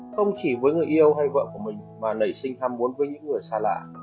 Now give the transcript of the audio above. không chỉ với người yêu hay vợ của mình mà nảy sinh tham muốn với những người xa lạ